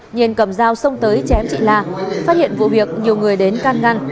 nhiên chém chị la phát hiện vụ việc nhiều người đến can ngăn